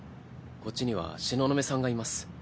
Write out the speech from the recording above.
こっちには東雲さんがいます。